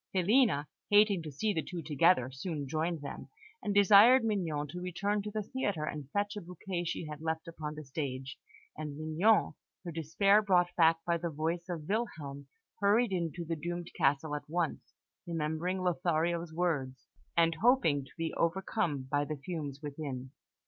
Filina, hating to see the two together, soon joined them, and desired Mignon to return to the theatre and fetch a bouquet she had left upon the stage; and Mignon, her despair brought back by the voice of Wilhelm, hurried into the doomed castle at once, remembering Lothario's words, and hoping to be overcome by the fumes within.